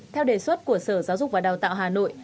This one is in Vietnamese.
theo đề xuất của sở giáo dục và đào tạo hà nội